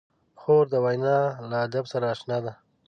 خور د وینا له ادب سره اشنا ده.